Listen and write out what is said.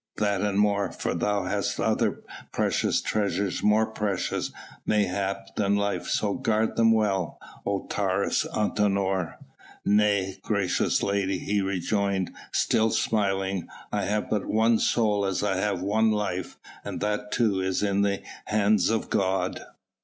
"That and more, for thou hast other precious treasures more precious, mayhap, than life; so guard them well, O Taurus Antinor!" "Nay, gracious lady," he rejoined, still smiling, "I have but one soul as I have one life, and that too is in the hands of God."